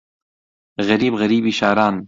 غەریب غەریبی شاران